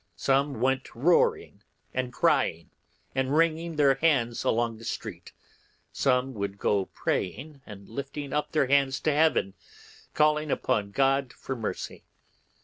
Some went roaring and crying and wringing their hands along the street; some would go praying and lifting up their hands to heaven, calling upon God for mercy.